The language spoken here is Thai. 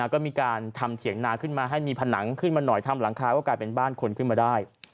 ก็มีการทำเถียงนาขึ้นมาให้มีผนังขึ้นมาหน่อยทำหลังคาก็กลายเป็นบ้านคนขึ้นมาได้